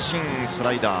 スライダー。